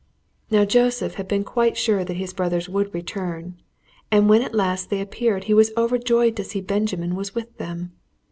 Now Joseph had been quite sure that his brothers would return, and when at last they appeared he was overjoyed to see that Benjamin was with them.